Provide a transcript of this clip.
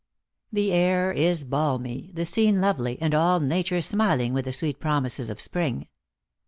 The air is balmy, the scene lovely, and all nature smiling with the sweet promises of Spring.